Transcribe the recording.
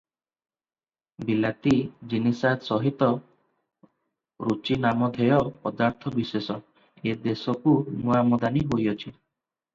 ବିଲାତି ଜିନିସାତ୍ ସହିତ ରୁଚିନାମଧେୟ ପଦାର୍ଥବିଶେଷ ଏ ଦେଶକୁ ନୂଆ ଆମଦାନୀ ହୋଇଅଛି ।